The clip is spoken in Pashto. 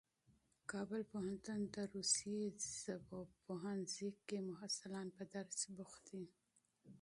کابل پوهنتون د روسي ژبو پوهنځي کې محصلان په درس بوخت دي.